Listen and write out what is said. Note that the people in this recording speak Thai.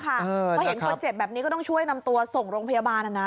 พอเห็นคนเจ็บแบบนี้ก็ต้องช่วยนำตัวส่งโรงพยาบาล